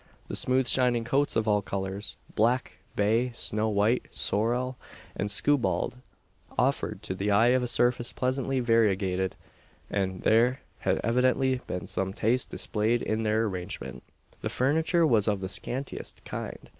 The smooth shining coats of all colours black, bay, snow white, sorrel, and skewbald offered to the eye a surface pleasantly variegated; and there had evidently been some taste displayed in their arrangement. The furniture was of the scantiest kind.